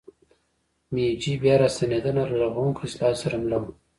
میجي بیا راستنېدنه له رغوونکو اصلاحاتو سره مله وه.